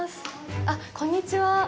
あっ、こんにちは。